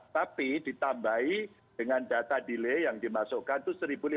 tapi ditambahi dengan data delay yang dimasukkan itu satu lima ratus tujuh puluh sembilan